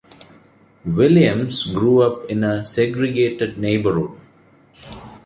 Williams grew up in a segregated neighborhood.